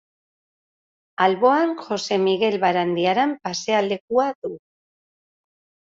Alboan, Jose Migel Barandiaran pasealekua du.